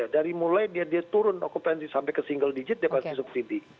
dari mulai dia turun okupansi sampai ke single digit dia pasti subsidi